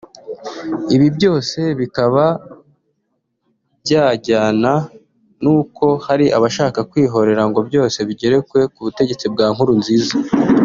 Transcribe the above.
Ibi byose bikaba byajyana n’uko hari abashaka kwihorera ngo byose bigerekwe ku butegetsi bwa Nkurunziza